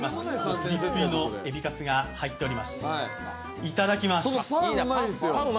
ぷりっぷりのエビカツが入っております。